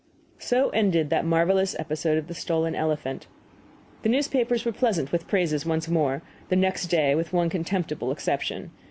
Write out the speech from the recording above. So ended that marvelous episode of the stolen elephant. The newspapers were pleasant with praises once more, the next day, with one contemptible exception.